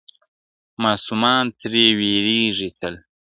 ماسومان ترې وېرېږي تل,